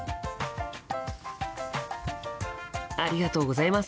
ありがとうございます。